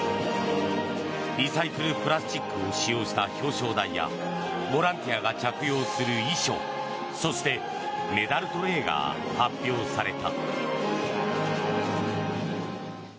リサイクルプラスチックを使用した表彰台やボランティアが着用する衣装そして、メダルトレーが発表された。